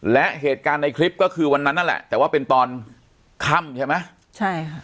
และเหตุการณ์ในคลิปก็คือวันนั้นนั่นแหละแต่ว่าเป็นตอนค่ำใช่ไหมใช่ค่ะ